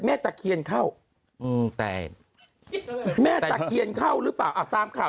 แม่ตะเคียนเข้าแม่ตะเคียนเข้าหรือเปล่าตามข่าว